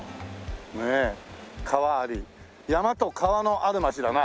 川あり山と川のある町だな。